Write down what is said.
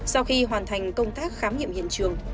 sau khi hoàn thành công tác khám nghiệm hiện trường